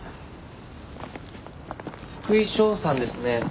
福井翔さんですね。